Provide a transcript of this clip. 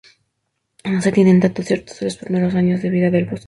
No se tienen datos ciertos de los primeros años de vida del Bosco.